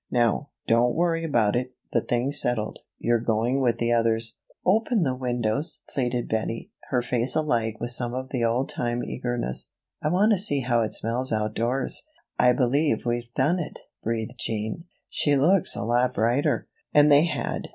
Now, don't worry about it the thing's settled. You're going with the others." "Open the windows," pleaded Bettie, her face alight with some of the old time eagerness. "I want to see how it smells outdoors." "I believe we've done it," breathed Jean. "She looks a lot brighter." And they had.